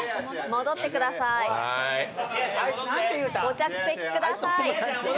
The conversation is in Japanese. ご着席ください。